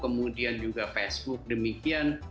kemudian juga facebook demikian